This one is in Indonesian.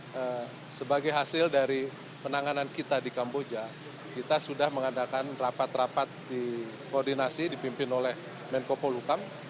nah sebagai hasil dari penanganan kita di kamboja kita sudah mengadakan rapat rapat di koordinasi dipimpin oleh menko polukam